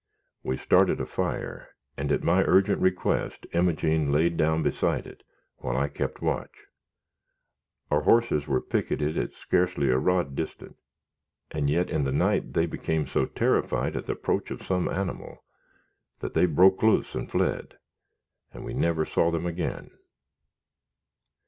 We started a fire, and at my urgent request, Imogene lay down beside it, while I kept watch. Our horses were picketed at scarcely a rod distant, and yet in the night they became so terrified at the approach of some animal, that they broke loose and fled, and we never saw them again.